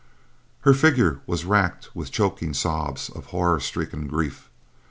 Her figure was racked with choking sobs of horror stricken grief.